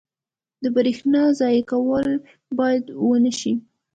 • د برېښنا ضایع کول باید ونه شي.